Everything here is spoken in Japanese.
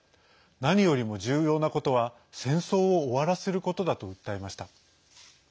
何よりも重要なことは、戦争を終わらせることだと訴えました。